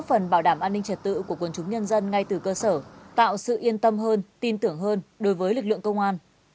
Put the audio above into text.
an ninh trật tự của quân chúng nhân dân ngay từ cơ sở tạo sự yên tâm hơn tin tưởng hơn đối với lực lượng công an